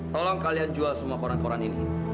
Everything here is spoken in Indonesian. tolong kalian jual semua koran koran ini